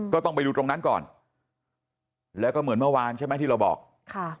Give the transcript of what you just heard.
ก็ต้องไปดูตรงนั้นก่อนแล้วก็เหมือนเมื่อวานใช่ไหมที่เราบอกค่ะ